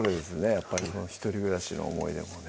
やっぱり一人暮らしの思い出もね